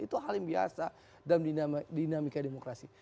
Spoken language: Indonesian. itu hal yang biasa dalam dinamika demokrasi